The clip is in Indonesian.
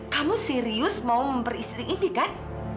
kamu serius mau memperistiri indi kan